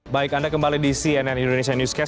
baik anda kembali di cnn indonesia newscast